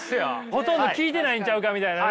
ほとんど聞いてないんちゃうかみたいなね。